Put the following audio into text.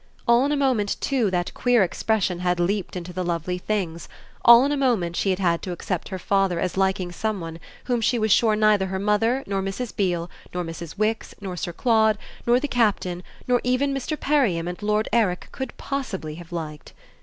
All in a moment too that queer expression had leaped into the lovely things all in a moment she had had to accept her father as liking some one whom she was sure neither her mother, nor Mrs. Beale, nor Mrs. Wix, nor Sir Claude, nor the Captain, nor even Mr. Perriam and Lord Eric could possibly have liked.